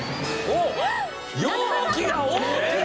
容器が大きい！